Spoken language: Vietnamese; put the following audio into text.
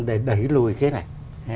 để đẩy lùi cái này